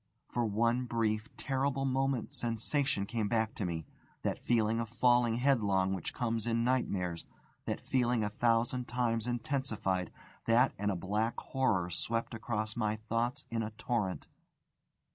For one brief, terrible moment sensation came back to me. That feeling of falling headlong which comes in nightmares, that feeling a thousand times intensified, that and a black horror swept across my thoughts in a torrent.